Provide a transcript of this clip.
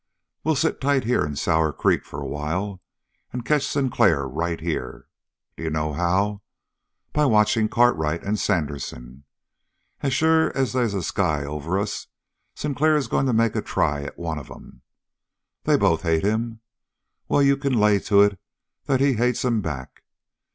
We'll sit tight here in Sour Creek for a while and catch Sinclair right here. D'you know how? By watching Cartwright and Sandersen. As sure as they's a sky over us, Sinclair is going to make a try at one of 'em. They both hate him. Well, you can lay to it that he hates 'em back.